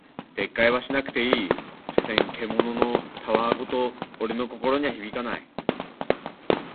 撤回はしなくていい、所詮獣の戯言俺の心には響かない。